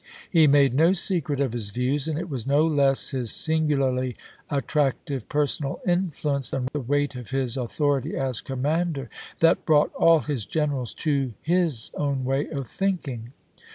He made no secret of his views, and it was no less his singularly attrac tive personal influence than the weight of his au thority as commander that brought all his generals to his own way of thinking.